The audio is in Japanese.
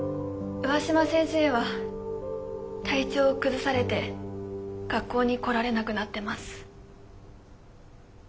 上嶋先生は体調を崩されて学校に来られなくなってます。